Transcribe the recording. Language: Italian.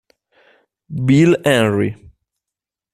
Bill Henry